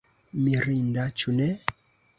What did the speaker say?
Mirinda ĉu ne?